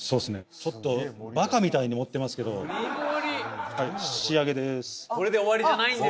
ちょっとバカみたいに盛ってますけどはい仕上げです